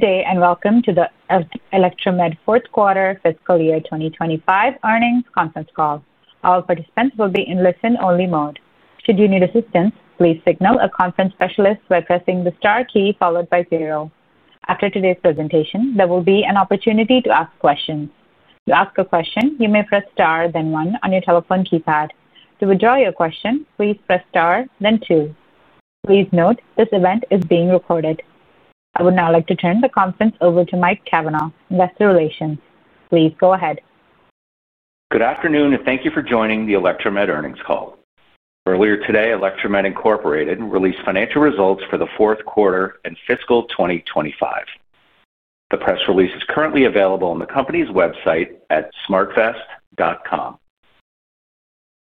Today, and welcome to the Electromed Fourth Quarter Fiscal Year 2025 Earnings Conference Call. All participants will be in listen-only mode. Should you need assistance, please signal a conference specialist by pressing the star key followed by zero. After today's presentation, there will be an opportunity to ask questions. To ask a question, you may press star, then one on your telephone keypad. To withdraw your question, please press star, then two. Please note this event is being recorded. I would now like to turn the conference over to Mike Cavanaugh, Investor Relations. Please go ahead. Good afternoon and thank you for joining the Electromed Earnings Call. Earlier today, Electromed, Inc. released financial results for the fourth quarter and fiscal 2025. The press release is currently available on the company's website at smartvest.com.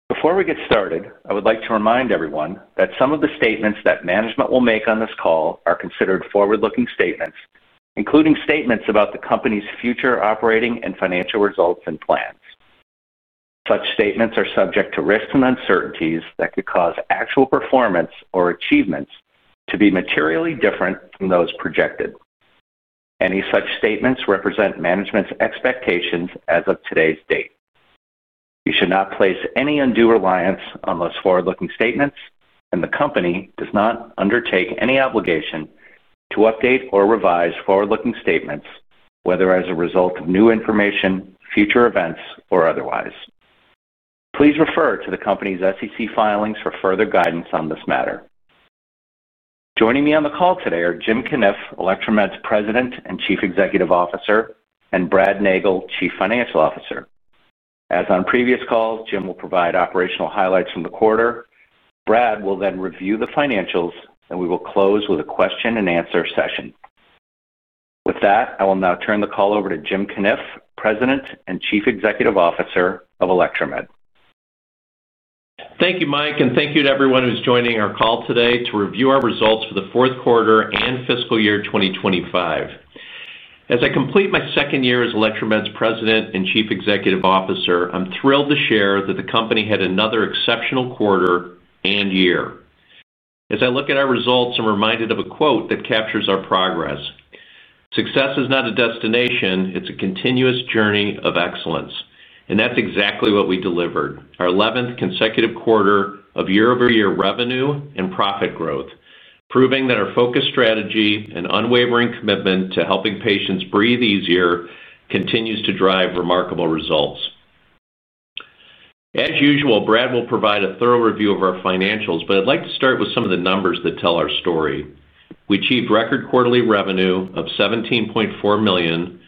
Before we get started, I would like to remind everyone that some of the statements that management will make on this call are considered forward-looking statements, including statements about the company's future operating and financial results and plans. Such statements are subject to risks and uncertainties that could cause actual performance or achievements to be materially different from those projected. Any such statements represent management's expectations as of today's date. You should not place any undue reliance on those forward-looking statements, and the company does not undertake any obligation to update or revise forward-looking statements, whether as a result of new information, future events, or otherwise. Please refer to the company's SEC filings for further guidance on this matter. Joining me on the call today are Jim Cunniff, Electromed's President and Chief Executive Officer, and Brad Nagel, Chief Financial Officer. As on previous calls, Jim will provide operational highlights from the quarter. Brad will then review the financials, and we will close with a question-and-answer session. With that, I will now turn the call over to Jim Cunniff, President and Chief Executive Officer of Electromed. Thank you, Mike, and thank you to everyone who's joining our call today to review our results for the fourth quarter and fiscal year 2025. As I complete my second year as Electromed's President and Chief Executive Officer, I'm thrilled to share that the company had another exceptional quarter and year. As I look at our results, I'm reminded of a quote that captures our progress: "Success is not a destination; it's a continuous journey of excellence." That is exactly what we delivered: our 11th consecutive quarter of year-over-year revenue and profit growth, proving that our focused strategy and unwavering commitment to helping patients breathe easier continue to drive remarkable results. As usual, Brad will provide a thorough review of our financials, but I'd like to start with some of the numbers that tell our story. We achieved record quarterly revenue of $17.4 million,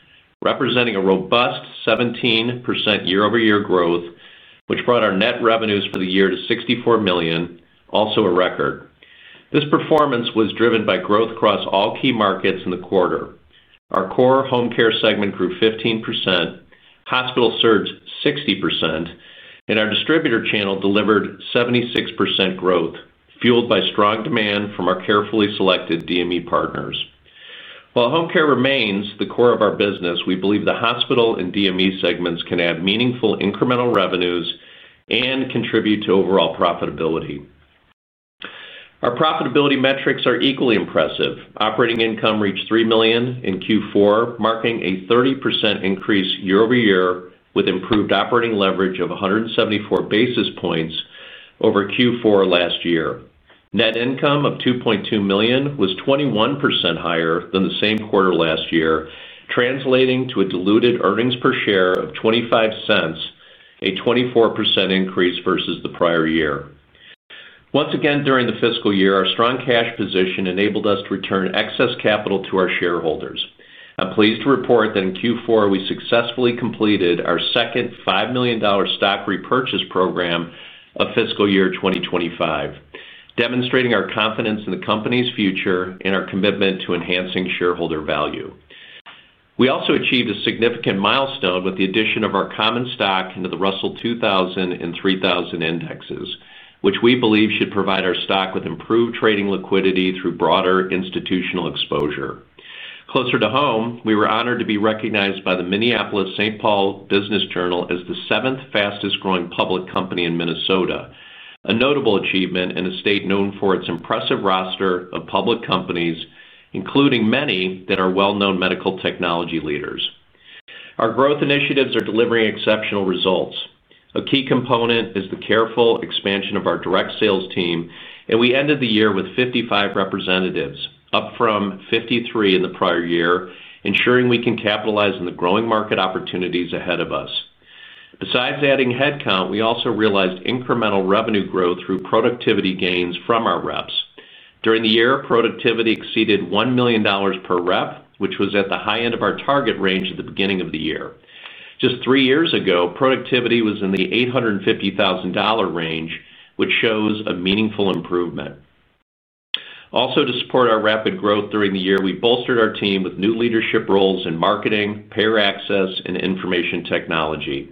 representing a robust 17% year-over-year growth, which brought our net revenues for the year to $64 million, also a record. This performance was driven by growth across all key markets in the quarter. Our core home care segment grew 15%, hospital surged 60%, and our distributor channel delivered 76% growth, fueled by strong demand from our carefully selected DME partners. While home care remains the core of our business, we believe the hospital and DME segments can add meaningful incremental revenues and contribute to overall profitability. Our profitability metrics are equally impressive. Operating income reached $3 million in Q4, marking a 30% increase year-over-year, with improved operating leverage of 174 basis points over Q4 last year. Net income of $2.2 million was 21% higher than the same quarter last year, translating to a diluted earnings per share of $0.25, a 24% increase versus the prior year. Once again, during the fiscal year, our strong cash position enabled us to return excess capital to our shareholders. I'm pleased to report that in Q4, we successfully completed our second $5 million stock repurchase program of fiscal year 2025, demonstrating our confidence in the company's future and our commitment to enhancing shareholder value. We also achieved a significant milestone with the addition of our common stock into the Russell 2000 and 3000 indexes, which we believe should provide our stock with improved trading liquidity through broader institutional exposure. Closer to home, we were honored to be recognized by the Minneapolis St. Paul Business Journal as the seventh fastest growing public company in Minnesota, a notable achievement in a state known for its impressive roster of public companies, including many that are well-known medical technology leaders. Our growth initiatives are delivering exceptional results. A key component is the careful expansion of our direct sales team, and we ended the year with 55 representatives, up from 53 in the prior year, ensuring we can capitalize on the growing market opportunities ahead of us. Besides adding headcount, we also realized incremental revenue growth through productivity gains from our reps. During the year, productivity exceeded $1 million per rep, which was at the high end of our target range at the beginning of the year. Just three years ago, productivity was in the $850,000 range, which shows a meaningful improvement. Also, to support our rapid growth during the year, we bolstered our team with new leadership roles in marketing, payer access, and information technology.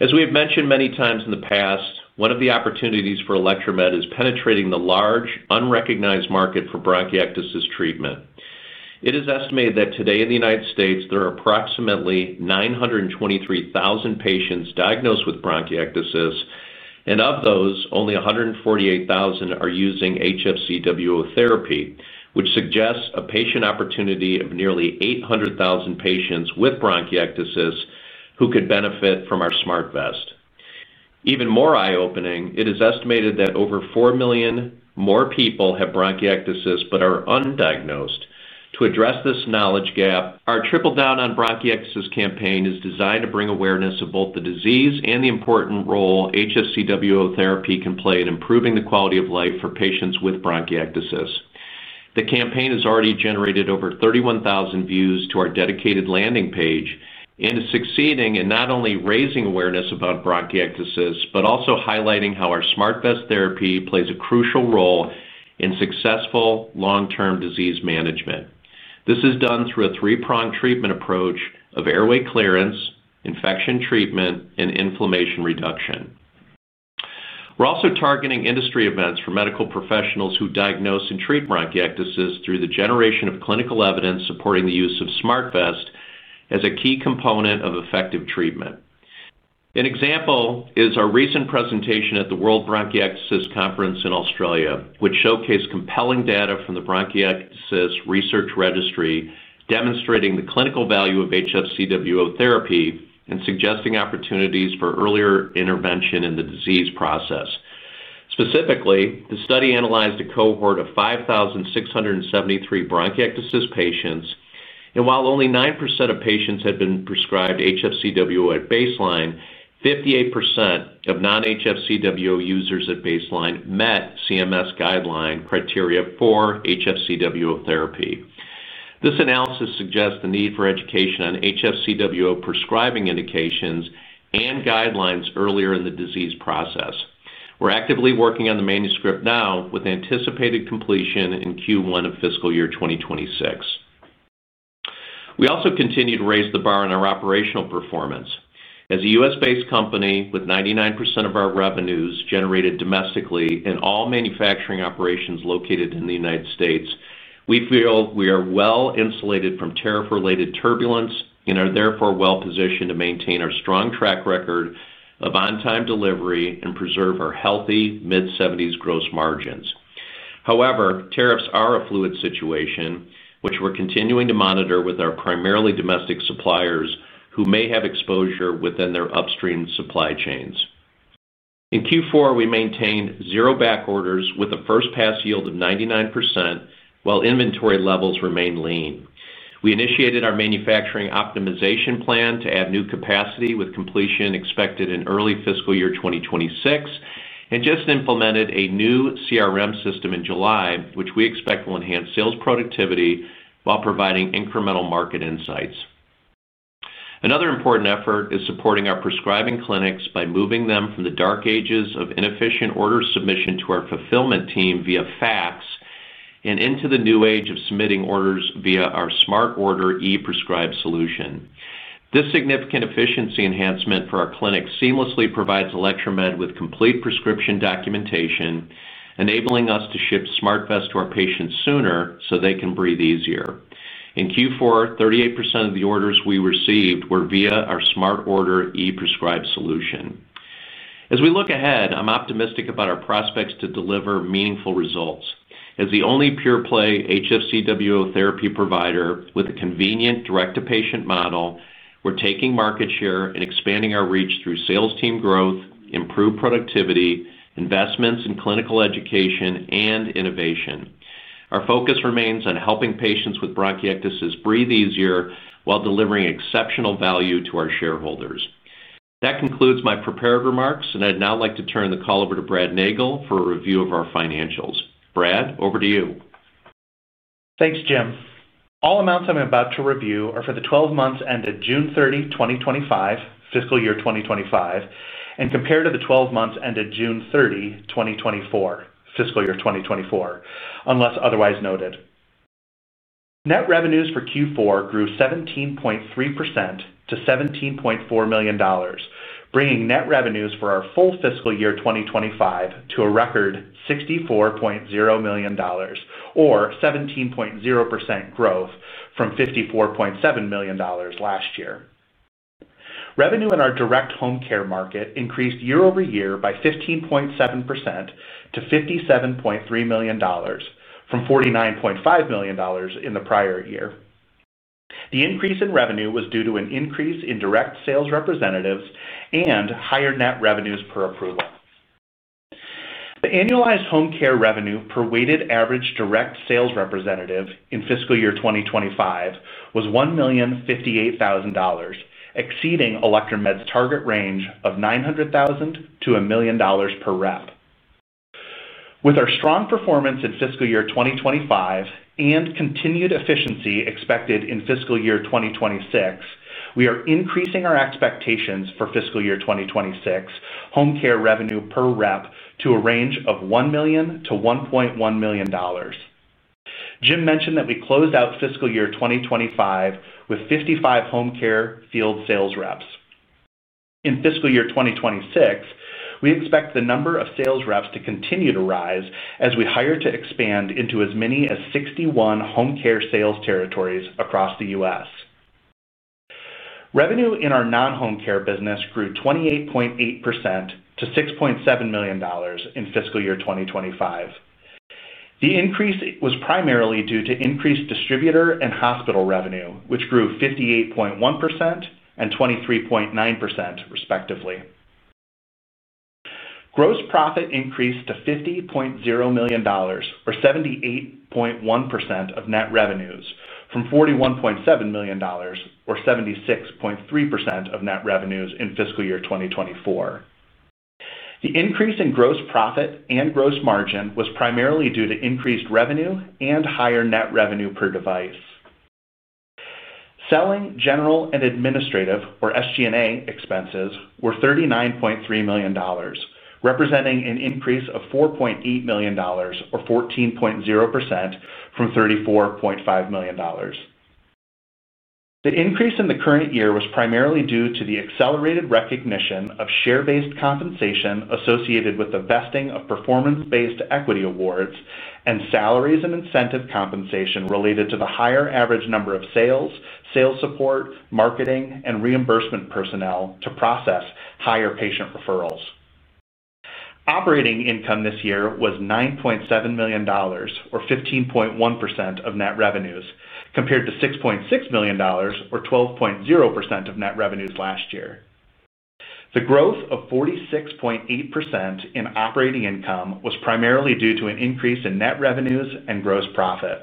As we have mentioned many times in the past, one of the opportunities for Electromed is penetrating the large, unrecognized market for bronchiectasis treatment. It is estimated that today in the U.S., there are approximately 923,000 patients diagnosed with bronchiectasis, and of those, only 148,000 are using HFCWO therapy, which suggests a patient opportunity of nearly 800,000 patients with bronchiectasis who could benefit from our SmartVest. Even more eye-opening, it is estimated that over 4 million more people have bronchiectasis but are undiagnosed. To address this knowledge gap, our Triple Down on Bronchiectasis campaign is designed to bring awareness of both the disease and the important role HFCWO therapy can play in improving the quality of life for patients with bronchiectasis. The campaign has already generated over 31,000 views to our dedicated landing page and is succeeding in not only raising awareness about bronchiectasis but also highlighting how our SmartVest therapy plays a crucial role in successful long-term disease management. This is done through a three-pronged treatment approach of airway clearance, infection treatment, and inflammation reduction. We're also targeting industry events for medical professionals who diagnose and treat bronchiectasis through the generation of clinical evidence supporting the use of SmartVest as a key component of effective treatment. An example is our recent presentation at the World Bronchiectasis Conference in Australia, which showcased compelling data from the Bronchiectasis Research Registry, demonstrating the clinical value of HFCWO therapy and suggesting opportunities for earlier intervention in the disease process. Specifically, the study analyzed a cohort of 5,673 bronchiectasis patients, and while only 9% of patients had been prescribed HFCWO at baseline, 58% of non-HFCWO users at baseline met CMS guideline criteria for HFCWO therapy. This analysis suggests the need for education on HFCWO prescribing indications and guidelines earlier in the disease process. We're actively working on the manuscript now, with anticipated completion in Q1 of fiscal year 2026. We also continue to raise the bar on our operational performance. As a U.S.-based company with 99% of our revenues generated domestically and all manufacturing operations located in the United States, we feel we are well insulated from tariff-related turbulence and are therefore well positioned to maintain our strong track record of on-time delivery and preserve our healthy mid-70s gross margins. However, tariffs are a fluid situation, which we're continuing to monitor with our primarily domestic suppliers who may have exposure within their upstream supply chains. In Q4, we maintained zero back orders with a first pass yield of 99%, while inventory levels remain lean. We initiated our manufacturing optimization plan to add new capacity with completion expected in early fiscal year 2026 and just implemented a new CRM system in July, which we expect will enhance sales productivity while providing incremental market insights. Another important effort is supporting our prescribing clinics by moving them from the dark ages of inefficient order submission to our fulfillment team via fax and into the new age of submitting orders via our Smart Order ePrescribe solution. This significant efficiency enhancement for our clinic seamlessly provides Electromed with complete prescription documentation, enabling us to ship SmartVest to our patients sooner so they can breathe easier. In Q4, 38% of the orders we received were via our Smart Order ePrescribe solution. As we look ahead, I'm optimistic about our prospects to deliver meaningful results. As the only pure-play HFCWO therapy provider with a convenient direct-to-patient model, we're taking market share and expanding our reach through sales team growth, improved productivity, investments in clinical education, and innovation. Our focus remains on helping patients with bronchiectasis breathe easier while delivering exceptional value to our shareholders. That concludes my prepared remarks, and I'd now like to turn the call over to Brad Nagel for a review of our financials. Brad, over to you. Thanks, Jim. All amounts I'm about to review are for the 12 months ended June 30, 2025, fiscal year 2025, and compared to the 12 months ended June 30, 2024, fiscal year 2024, unless otherwise noted. Net revenues for Q4 grew 17.3% to $17.4 million, bringing net revenues for our full fiscal year 2025 to a record $64.0 million, or 17.0% growth from $54.7 million last year. Revenue in our direct home care market increased year-over-year by 15.7% to $57.3 million, from $49.5 million in the prior year. The increase in revenue was due to an increase in direct sales representatives and higher net revenues per approval. The annualized home care revenue per weighted average direct sales representative in fiscal year 2025 was $1,058,000, exceeding Electromed's target range of $900,000-$1 million per rep. With our strong performance in fiscal year 2025 and continued efficiency expected in fiscal year 2026, we are increasing our expectations for fiscal year 2026 home care revenue per rep to a range of $1 million-$1.1 million. Jim mentioned that we closed out fiscal year 2025 with 55 home care field sales reps. In fiscal year 2026, we expect the number of sales reps to continue to rise as we hire to expand into as many as 61 home care sales territories across the U.S. Revenue in our non-home care business grew 28.8% to $6.7 million in fiscal year 2025. The increase was primarily due to increased distributor and hospital revenue, which grew 58.1% and 23.9%, respectively. Gross profit increased to $50.0 million, or 78.1% of net revenues, from $41.7 million, or 76.3% of net revenues in fiscal year 2024. The increase in gross profit and gross margin was primarily due to increased revenue and higher net revenue per device. Selling, general, and administrative, or SG&A, expenses were $39.3 million, representing an increase of $4.8 million, or 14.0% from $34.5 million. The increase in the current year was primarily due to the accelerated recognition of share-based compensation associated with the vesting of performance-based equity awards and salaries and incentive compensation related to the higher average number of sales, sales support, marketing, and reimbursement personnel to process higher patient referrals. Operating income this year was $9.7 million, or 15.1% of net revenues, compared to $6.6 million, or 12.0% of net revenues last year. The growth of 46.8% in operating income was primarily due to an increase in net revenues and gross profit.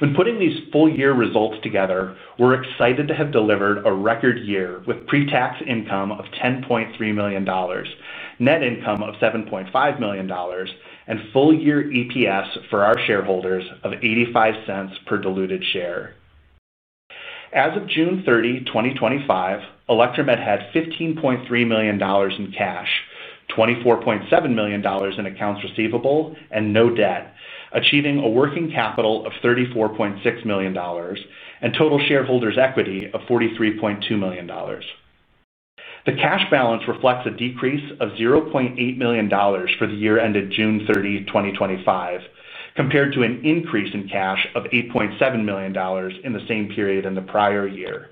When putting these full-year results together, we're excited to have delivered a record year with pre-tax income of $10.3 million, net income of $7.5 million, and full-year EPS for our shareholders of $0.85 per diluted share. As of June 30, 2025, Electromed had $15.3 million in cash, $24.7 million in accounts receivable, and no debt, achieving a working capital of $34.6 million and total shareholders' equity of $43.2 million. The cash balance reflects a decrease of $0.8 million for the year ended June 30, 2025, compared to an increase in cash of $8.7 million in the same period in the prior year.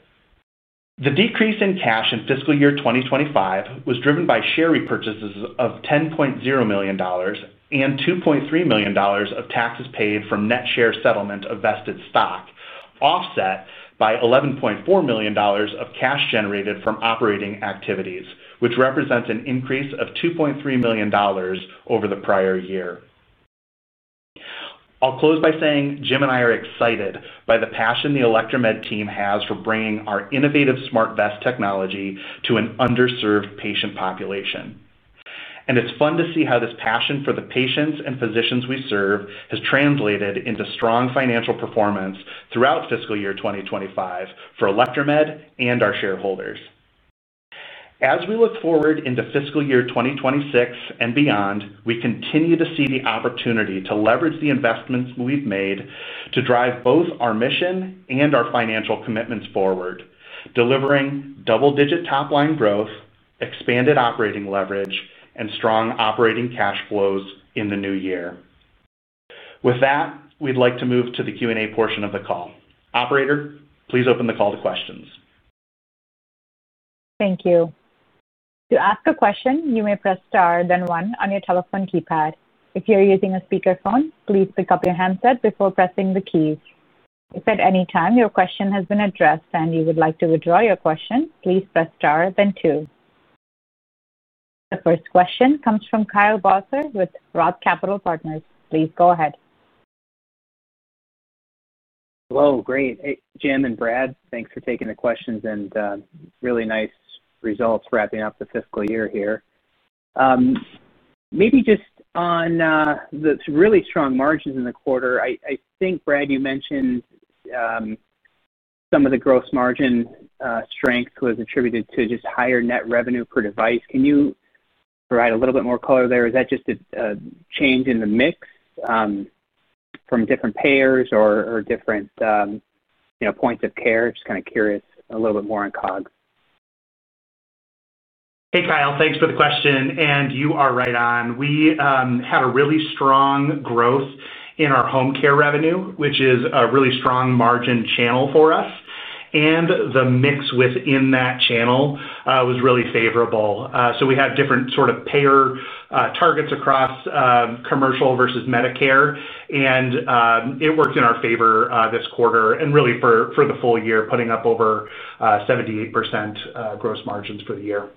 The decrease in cash in fiscal year 2025 was driven by share repurchases of $10.0 million and $2.3 million of taxes paid from net share settlement of vested stock, offset by $11.4 million of cash generated from operating activities, which represents an increase of $2.3 million over the prior year. I'll close by saying Jim and I are excited by the passion the Electromed team has for bringing our innovative SmartVest technology to an underserved patient population. It is fun to see how this passion for the patients and physicians we serve has translated into strong financial performance throughout fiscal year 2025 for Electromed and our shareholders. As we look forward into fiscal year 2026 and beyond, we continue to see the opportunity to leverage the investments we've made to drive both our mission and our financial commitments forward, delivering double-digit top-line growth, expanded operating leverage, and strong operating cash flows in the new year. With that, we'd like to move to the Q&A portion of the call. Operator, please open the call to questions. Thank you. To ask a question, you may press star, then one on your telephone keypad. If you're using a speakerphone, please pick up your handset before pressing the keys. If at any time your question has been addressed and you would like to withdraw your question, please press star, then two. The first question comes from Kyle Bauser with ROTH Capital Partners. Please go ahead. Hello, great Jim and Brad. Thanks for taking the questions and really nice results wrapping up the fiscal year here. Maybe just on the really strong margins in the quarter, I think, Brad, you mentioned some of the gross margin strength was attributed to just higher net revenue per device. Can you provide a little bit more color there? Is that just a change in the mix from different payers or different, you know, points of care? Just kind of curious a little bit more on. Hey, Kyle, thanks for the question. You are right on. We had really strong growth in our home care revenue, which is a really strong margin channel for us. The mix within that channel was really favorable. We have different sort of payer targets across commercial versus Medicare, and it worked in our favor this quarter and really for the full year, putting up over 78% gross margins for the year.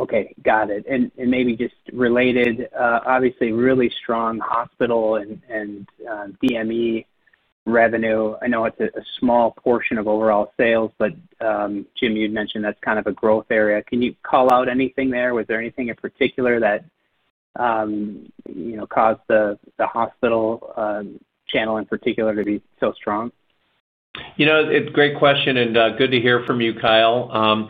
Okay, got it. Maybe just related, obviously really strong hospital and DME revenue. I know it's a small portion of overall sales, but Jim, you'd mentioned that's kind of a growth area. Can you call out anything there? Was there anything in particular that, you know, caused the hospital channel in particular to be so strong? It's a great question and good to hear from you, Kyle.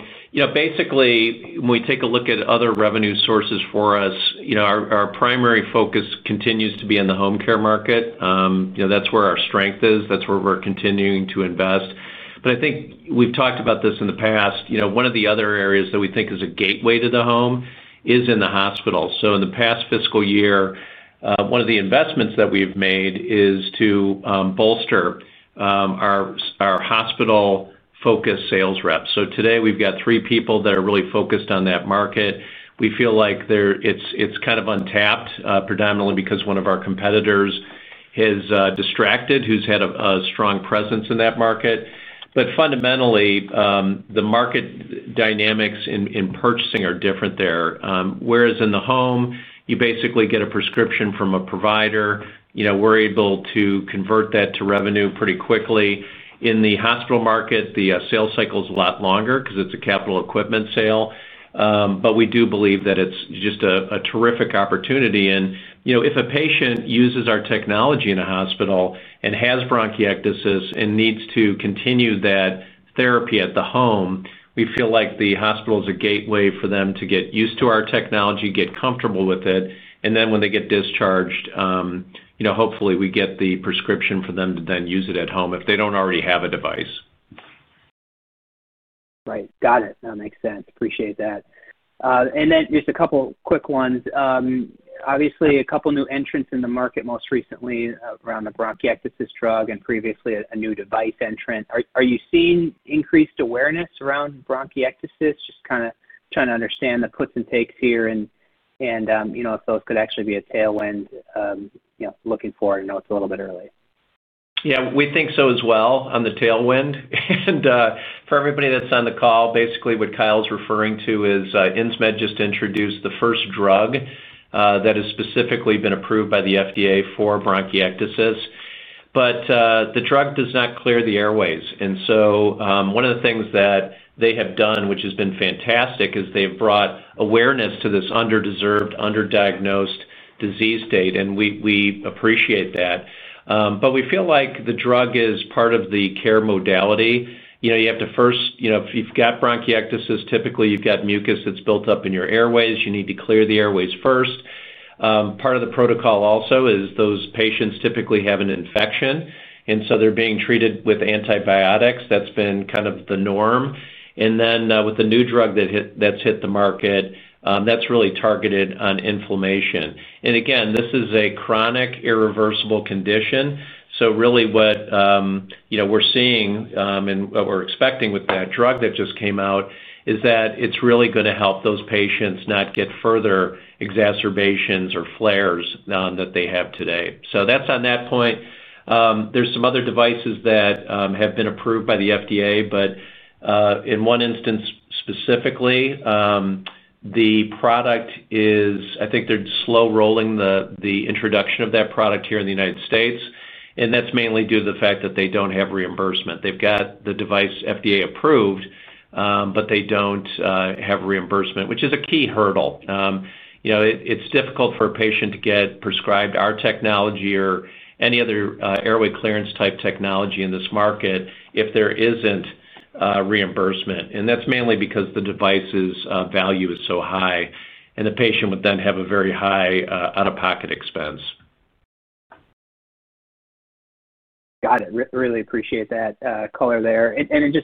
Basically, when we take a look at other revenue sources for us, our primary focus continues to be in the home care market. That's where our strength is. That's where we're continuing to invest. I think we've talked about this in the past. One of the other areas that we think is a gateway to the home is in the hospital. In the past fiscal year, one of the investments that we've made is to bolster our hospital-focused sales reps. Today we've got three people that are really focused on that market. We feel like it's kind of untapped, predominantly because one of our competitors is distracted, who's had a strong presence in that market. Fundamentally, the market dynamics in purchasing are different there. Whereas in the home, you basically get a prescription from a provider. We're able to convert that to revenue pretty quickly. In the hospital market, the sales cycle is a lot longer because it's a capital equipment sale. We do believe that it's just a terrific opportunity. If a patient uses our technology in a hospital and has bronchiectasis and needs to continue that therapy at the home, we feel like the hospital is a gateway for them to get used to our technology, get comfortable with it. When they get discharged, hopefully we get the prescription for them to then use it at home if they don't already have a device. Right, got it. That makes sense. I appreciate that. Just a couple quick ones. Obviously, a couple new entrants in the market most recently around the bronchiectasis drug and previously a new device entrant. Are you seeing increased awareness around bronchiectasis? Just trying to understand the puts and takes here and if those could actually be a tailwind, looking forward. I know it's a little bit early. Yeah, we think so as well on the tailwind. For everybody that's on the call, basically what Kyle's referring to is Insmed just introduced the first drug that has specifically been approved by the FDA for bronchiectasis. The drug does not clear the airways. One of the things that they have done, which has been fantastic, is they've brought awareness to this under-served, under-diagnosed disease state. We appreciate that. We feel like the drug is part of the care modality. You know, if you've got bronchiectasis, typically you've got mucus that's built up in your airways. You need to clear the airways first. Part of the protocol also is those patients typically have an infection, and so they're being treated with antibiotics. That's been kind of the norm. With the new drug that's hit the market, that's really targeted on inflammation. This is a chronic, irreversible condition. What we're seeing and what we're expecting with that drug that just came out is that it's really going to help those patients not get further exacerbations or flares that they have today. There's some other devices that have been approved by the FDA, but in one instance specifically, the product is, I think they're slow rolling the introduction of that product here in the U.S. That's mainly due to the fact that they don't have reimbursement. They've got the device FDA approved, but they don't have reimbursement, which is a key hurdle. It's difficult for a patient to get prescribed our technology or any other airway clearance type technology in this market if there isn't reimbursement. That's mainly because the device's value is so high, and the patient would then have a very high out-of-pocket expense. Got it. I really appreciate that color there.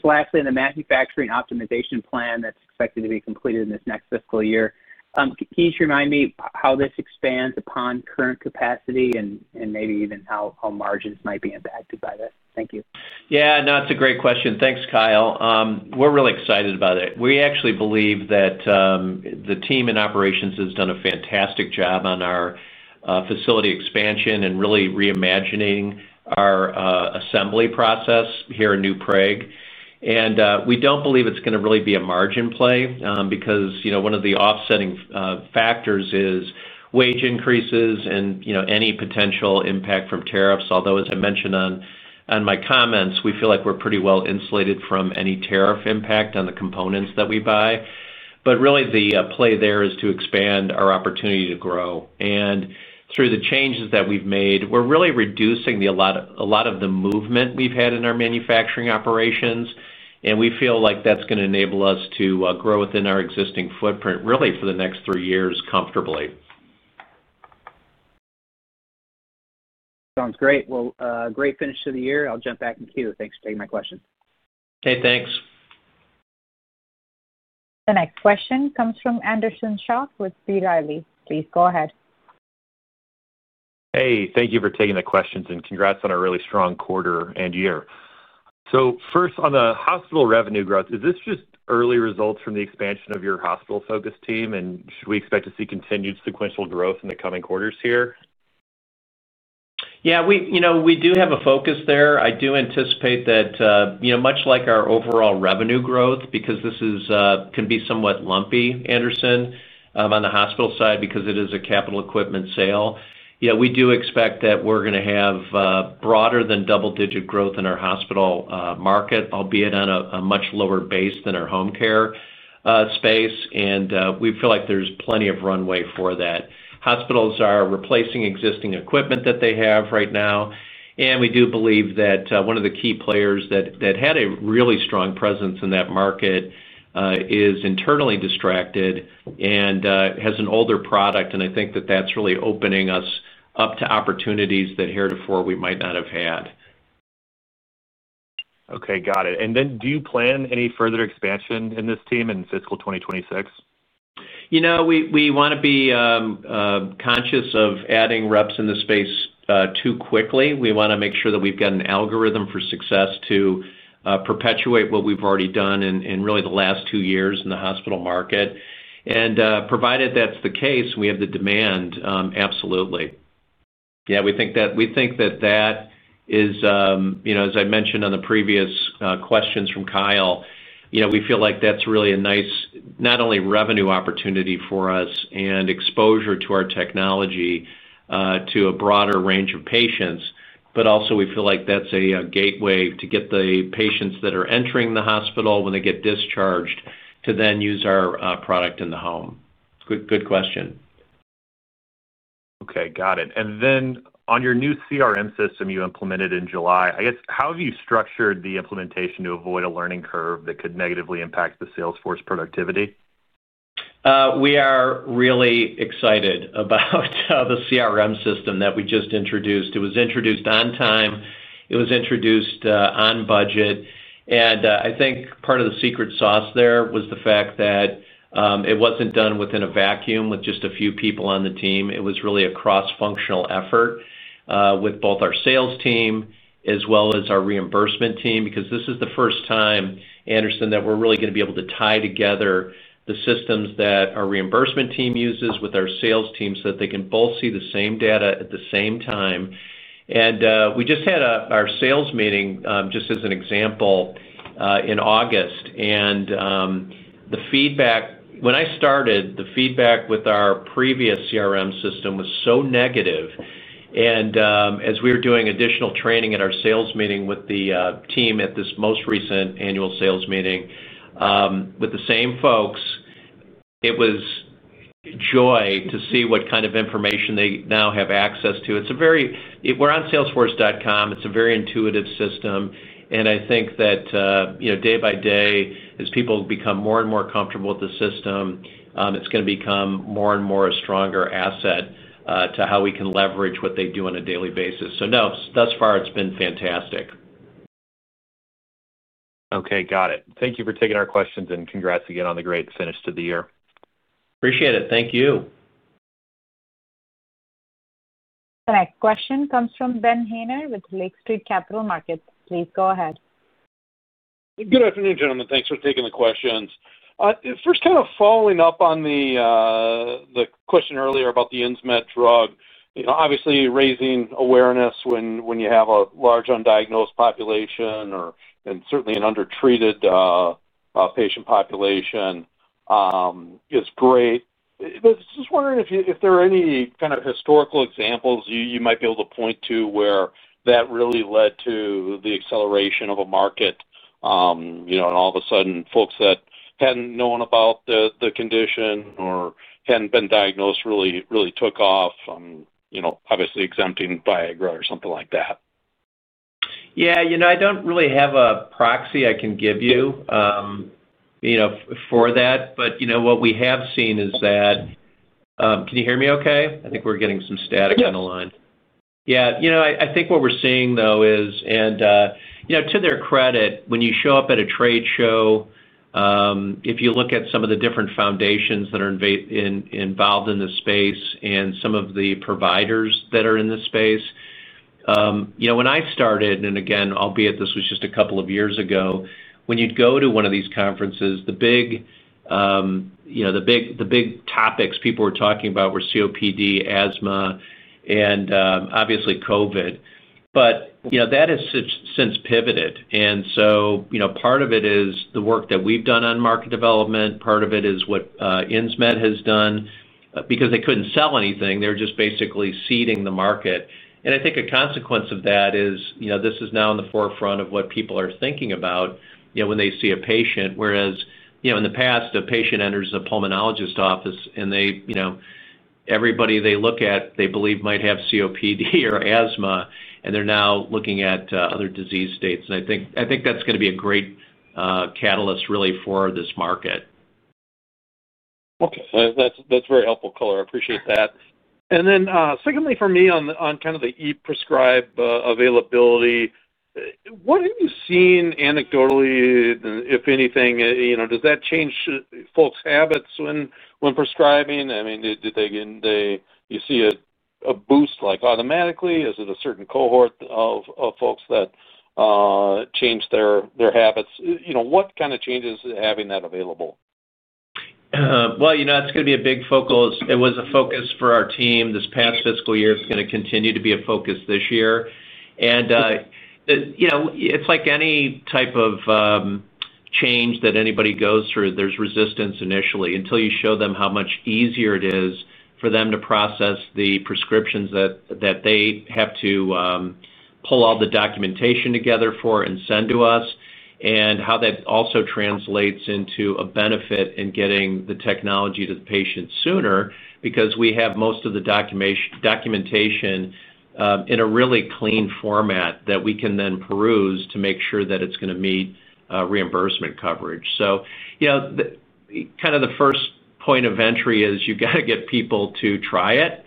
Lastly, the manufacturing optimization plan that's expected to be completed in this next fiscal year, can you just remind me how this expands upon current capacity and maybe even how margins might be impacted by that? Thank you. Yeah, no, it's a great question. Thanks, Kyle. We're really excited about it. We actually believe that the team in operations has done a fantastic job on our facility expansion and really reimagining our assembly process here in New Prague. We don't believe it's going to really be a margin play because one of the offsetting factors is wage increases and any potential impact from tariffs. Although, as I mentioned in my comments, we feel like we're pretty well insulated from any tariff impact on the components that we buy. The play there is to expand our opportunity to grow. Through the changes that we've made, we're really reducing a lot of the movement we've had in our manufacturing operations. We feel like that's going to enable us to grow within our existing footprint really for the next three years comfortably. Sounds great. Great finish to the year. I'll jump back in queue. Thanks for taking my question. Hey, thanks. The next question comes from Anderson Schock with B. Riley. Please go ahead. Thank you for taking the questions and congrats on a really strong quarter and year. First, on the hospital revenue growth, is this just early results from the expansion of your hospital focus team? Should we expect to see continued sequential growth in the coming quarters here? Yeah, we do have a focus there. I do anticipate that, much like our overall revenue growth, because this can be somewhat lumpy, Anderson, on the hospital side because it is a capital equipment sale. We do expect that we're going to have broader than double-digit growth in our hospital market, albeit on a much lower base than our home care space. We feel like there's plenty of runway for that. Hospitals are replacing existing equipment that they have right now. We do believe that one of the key players that had a really strong presence in that market is internally distracted and has an older product. I think that that's really opening us up to opportunities that heretofore we might not have had. Okay, got it. Do you plan any further expansion in this team in fiscal 2026? We want to be conscious of adding reps in the space too quickly. We want to make sure that we've got an algorithm for success to perpetuate what we've already done in really the last two years in the hospital market. Provided that's the case and we have the demand, absolutely. We think that that is, as I mentioned on the previous questions from Kyle, we feel like that's really a nice, not only revenue opportunity for us and exposure to our technology to a broader range of patients, but also we feel like that's a gateway to get the patients that are entering the hospital when they get discharged to then use our product in the home. Good question. Okay, got it. On your new CRM system you implemented in July, how have you structured the implementation to avoid a learning curve that could negatively impact the salesforce productivity? We are really excited about the CRM system that we just introduced. It was introduced on time. It was introduced on budget. I think part of the secret sauce there was the fact that it wasn't done within a vacuum with just a few people on the team. It was really a cross-functional effort with both our sales team as well as our reimbursement team, because this is the first time, Anderson, that we're really going to be able to tie together the systems that our reimbursement team uses with our sales team so that they can both see the same data at the same time. We just had our sales meeting, just as an example, in August. The feedback, when I started, the feedback with our previous CRM system was so negative. As we were doing additional training at our sales meeting with the team at this most recent annual sales meeting with the same folks, it was a joy to see what kind of information they now have access to. It's a very, we're on Salesforce.com. It's a very intuitive system. I think that, you know, day by day, as people become more and more comfortable with the system, it's going to become more and more a stronger asset to how we can leverage what they do on a daily basis. Thus far it's been fantastic. Okay, got it. Thank you for taking our questions, and congrats again on the great finish to the year. Appreciate it. Thank you. The next question comes from Ben Haynor with Lake Street Capital Markets. Please go ahead. Good afternoon, gentlemen. Thanks for taking the questions. First, kind of following up on the question earlier about the Insmed drug, obviously raising awareness when you have a large undiagnosed population and certainly an under-treated patient population is great. I was just wondering if there are any kind of historical examples you might be able to point to where that really led to the acceleration of a market, and all of a sudden folks that hadn't known about the condition or hadn't been diagnosed really, really took off, obviously exempting Viagra or something like that. Yeah, I don't really have a proxy I can give you for that. What we have seen is that—can you hear me okay? I think we're getting some static on the line. I think what we're seeing though is, to their credit, when you show up at a trade show, if you look at some of the different foundations that are involved in this space and some of the providers that are in this space, when I started, albeit this was just a couple of years ago, when you'd go to one of these conferences, the big topics people were talking about were COPD, asthma, and obviously COVID. That has since pivoted. Part of it is the work that we've done on market development. Part of it is what Insmed has done. Because they couldn't sell anything, they're just basically seeding the market. I think a consequence of that is this is now in the forefront of what people are thinking about when they see a patient. In the past, a patient enters a pulmonologist's office and everybody they look at, they believe might have COPD or asthma, and they're now looking at other disease states. I think that's going to be a great catalyst really for this market. That's very helpful, Kalle. I appreciate that. Secondly, for me, on kind of the e-prescribe availability, what have you seen anecdotally, if anything? Does that change folks' habits when prescribing? Do you see a boost automatically? Is it a certain cohort of folks that change their habits? What kind of changes is having that available? It's going to be a big focus. It was a focus for our team this past fiscal year. It's going to continue to be a focus this year. It's like any type of change that anybody goes through, there's resistance initially until you show them how much easier it is for them to process the prescriptions that they have to pull all the documentation together for and send to us. That also translates into a benefit in getting the technology to the patient sooner because we have most of the documentation in a really clean format that we can then peruse to make sure that it's going to meet reimbursement coverage. The first point of entry is you've got to get people to try it.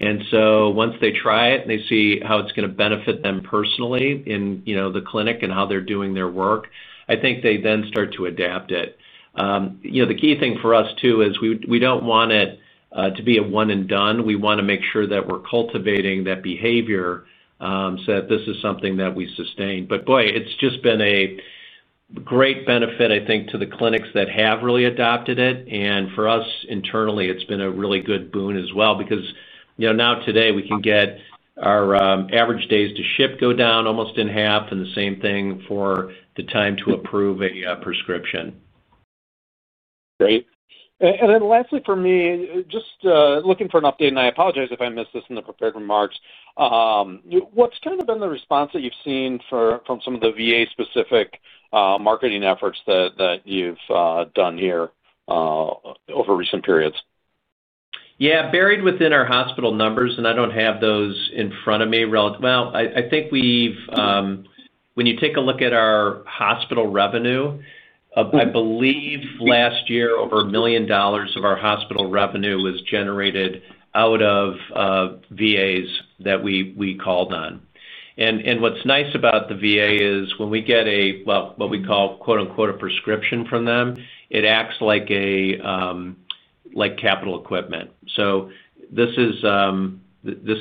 Once they try it and they see how it's going to benefit them personally in the clinic and how they're doing their work, I think they then start to adapt it. The key thing for us too is we don't want it to be a one-and-done. We want to make sure that we're cultivating that behavior so that this is something that we sustain. It's just been a great benefit, I think, to the clinics that have really adopted it. For us internally, it's been a really good boon as well because now today we can get our average days to ship go down almost in half and the same thing for the time to approve a prescription. Great. Lastly for me, just looking for an update, and I apologize if I missed this in the prepared remarks, what's kind of been the response that you've seen from some of the VA-specific marketing efforts that you've done here over recent periods? Yeah, buried within our hospital numbers, and I don't have those in front of me. I think when you take a look at our hospital revenue, I believe last year over $1 million of our hospital revenue was generated out of VAs that we called on. What's nice about the VA is when we get a, quote unquote, prescription from them, it acts like capital equipment. This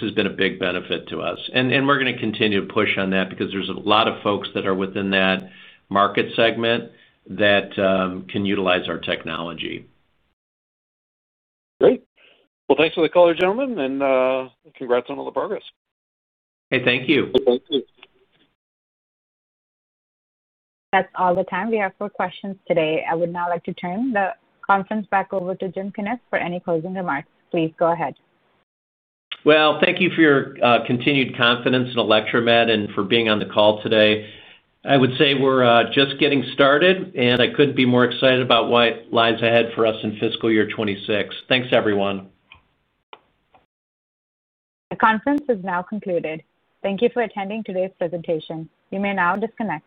has been a big benefit to us. We're going to continue to push on that because there's a lot of folks that are within that market segment that can utilize our technology. Great. Thank you for the call, gentlemen, and congrats on all the progress. Hey, thank you. That's all the time we have for questions today. I would now like to turn the conference back over to Jim Cunniff for any closing remarks. Please go ahead. Thank you for your continued confidence in Electromed and for being on the call today. I would say we're just getting started, and I couldn't be more excited about what lies ahead for us in fiscal year 2026. Thanks, everyone. The conference is now concluded. Thank you for attending today's presentation. You may now disconnect.